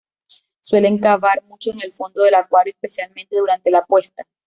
Suelen cavar mucho en el fondo del acuario, especialmente durante la puesta.